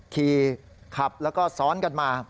ขับแล้วก็ซ้อนกันมา